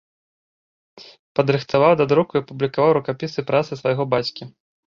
Падрыхтаваў да друку і апублікаваў рукапісы працы свайго бацькі.